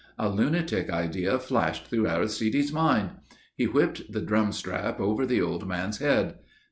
A lunatic idea flashed through Aristide's mind. He whipped the drum strap over the old man's head.